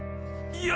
いや！